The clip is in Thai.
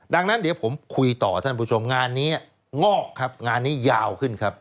ดังนั้นเดี๋ยวผมคุยต่อท่านผู้ชมงานนี้งอกครับงานนี้ยาวขึ้นครับ